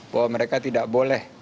bahwa mereka tidak boleh